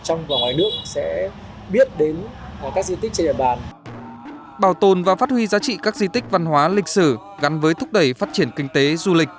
đang là hướng triển khai đối với các di tích văn hóa lịch sử